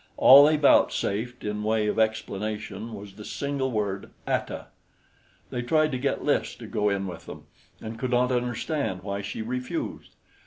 All they vouchsafed in way of explanation was the single word Ata. They tried to get Lys to go in with them and could not understand why she refused.